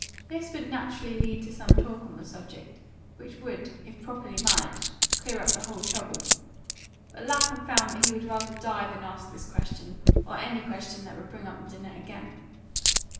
This would naturally lead to some talk on the subject, which would, if properly managed, clear up the whole trouble. But Lapham found that he would rather die than ask this question, or any question that would bring up the dinner again.